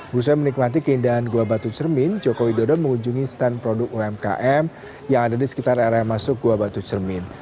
busa menikmati keindahan gua batu cermin joko widodo mengunjungi stand produk umkm yang ada di sekitar area masuk gua batu cermin